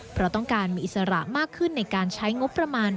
เพราะต้องการมีอิสระมากขึ้นในการใช้งบประมาณ